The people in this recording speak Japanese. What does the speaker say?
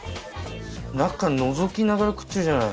中のぞきながら食ってるじゃない。